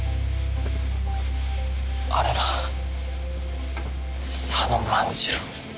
あれが佐野万次郎。